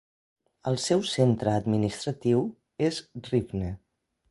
El seu centre administratiu és Rivne.